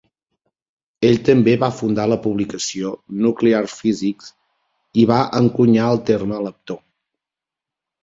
Ell també va fundar la publicació "Nuclear Physics" i va encunyar el terme "leptó".